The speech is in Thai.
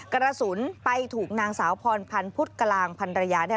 กระสุนไปถูกนางสาวพรพันธุ์พุทธกลางพันธุ์ระยา